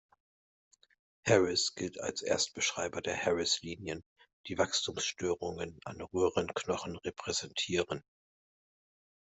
Harris gilt als Erstbeschreiber der Harris-Linien, die Wachstumsstörungen an Röhrenknochen repräsentieren.